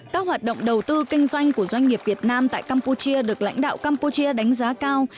các hoạt động đầu tư kinh doanh của doanh nghiệp việt nam tại campuchia được lãnh đạo campuchia đánh giá cao